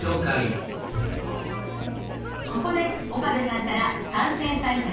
ここで岡部さんから感染対策